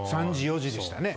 ３時４時でしたね。